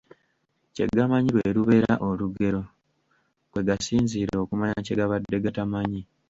Kye gamanyi lwe lubeera olugero, kwe gasinzira okumanya kye gabadde gatamanyi.